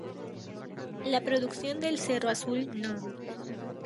La producción del Cerro Azul No.